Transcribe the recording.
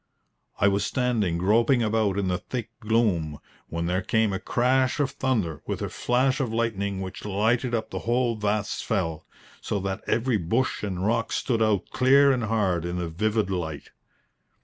I was standing groping about in the thick gloom, when there came a crash of thunder with a flash of lightning which lighted up the whole vast fell, so that every bush and rock stood out clear and hard in the vivid light.